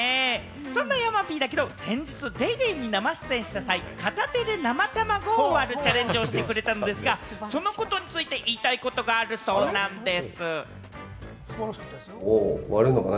そんな山Ｐだけれども、先日『ＤａｙＤａｙ．』に生出演した際、片手で生たまごを割るチャレンジをしてくれたんですが、そのことについて言いたいことがあるそうなんでぃす。